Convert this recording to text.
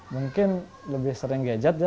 mungkin lebih sering gadget ya